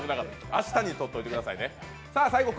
明日にとっておいてくださいね。